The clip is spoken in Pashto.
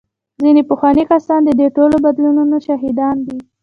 ځینې پخواني کسان د دې ټولو بدلونونو شاهدان دي.